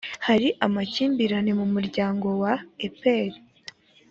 hari amakimbirane mu muryango wa epr